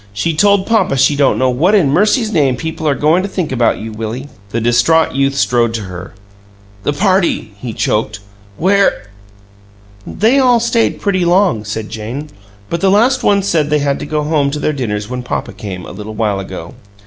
She told papa she don't know what in mercy's name people are goin' to think about you, Willie." The distraught youth strode to her. "The party " he choked. "WHERE " "They all stayed pretty long," said Jane, "but the last ones said they had to go home to their dinners when papa came, a little while ago.